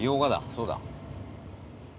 そうだ。